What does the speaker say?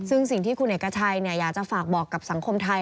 ซึ่งสิ่งที่คุณเอกชัยอยากจะฝากบอกกับสังคมไทย